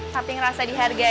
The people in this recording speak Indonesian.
tapi ngerasa dihargai